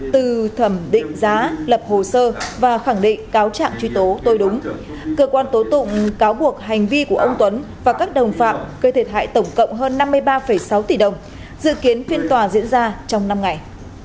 từ thẩm định giá lập hồ sơ và khẳng định cáo trạng truy tố tôi đúng cơ quan tố tụng cáo buộc hành vi của ông tuấn và các đồng phạm gây thiệt hại tổng cộng hơn năm mươi ba sáu tỷ đồng dự kiến phiên tòa diễn ra trong năm ngày